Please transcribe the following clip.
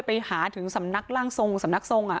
ไปหาสำนักร่างทรง